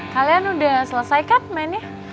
kalian udah selesai kan mainnya